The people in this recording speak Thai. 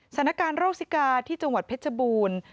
สถานการณ์โรคสิกาที่จังหวัดเพชรบูรณ์